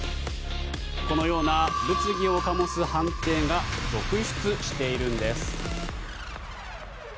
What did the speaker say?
このような物議を醸す判定が続出しているんです。